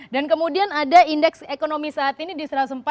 dan kemudian ada indeks ekonomi saat ini di satu ratus empat dua